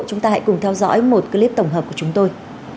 chúng ta hãy cùng theo dõi một clip tổng hợp của chúng tôi